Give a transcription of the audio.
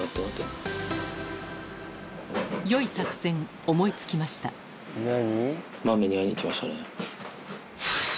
良い作戦思い付きました何？